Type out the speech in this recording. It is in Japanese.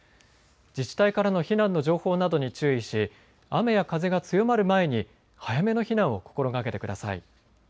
自治体からの避難の情報などに注意し雨や風が強まる前に早めの避難を心がけてください。